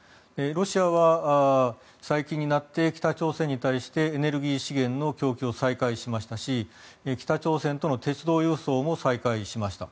ロシアは最近になって北朝鮮に対してエネルギー資源の供給を再開しましたし北朝鮮との鉄道輸送も再開しました。